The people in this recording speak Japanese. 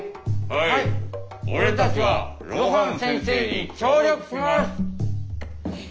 はい俺たちは露伴先生に協力します。